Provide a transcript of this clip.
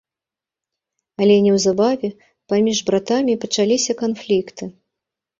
Але неўзабаве паміж братамі пачаліся канфлікты.